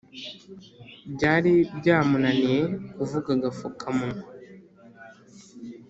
byari byamunaniye kuvuga agafuka munwa